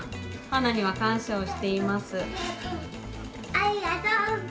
ありがとう。